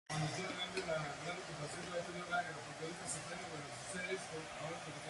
Deborah Smith en Twitter